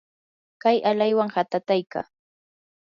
kay alaywan katataykaa.